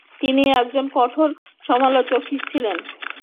তিনি একজন কঠোর সমালোচক ছিলেন।